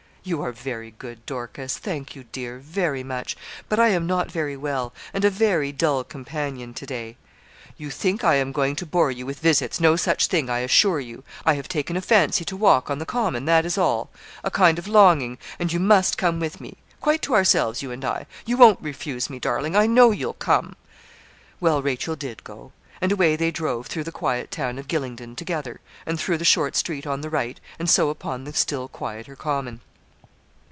'You are very good, Dorcas; thank you, dear, very much; but I am not very well, and a very dull companion to day.' 'You think I am going to bore you with visits. No such thing, I assure you. I have taken a fancy to walk on the common, that is all a kind of longing; and you must come with me; quite to ourselves, you and I. You won't refuse me, darling; I know you'll come.' Well, Rachel did go. And away they drove through the quiet town of Gylingden together, and through the short street on the right, and so upon the still quieter common.